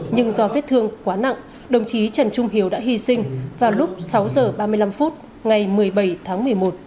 nhưng do vết thương quá nặng đồng chí trần trung hiếu đã hy sinh vào lúc sáu h ba mươi năm phút ngày một mươi bảy tháng một mươi một